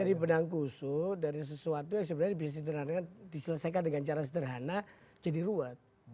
dari benang kusu dari sesuatu yang sebenarnya bisa diselesaikan dengan cara sederhana jadi ruwet